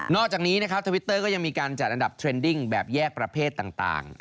อกจากนี้นะครับทวิตเตอร์ก็ยังมีการจัดอันดับเทรนดิ้งแบบแยกประเภทต่าง